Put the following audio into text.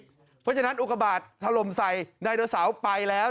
เพราะฉะนั้นอุกบาทถล่มใส่ไดโนเสาร์ไปแล้ว